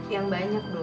yang banyak dong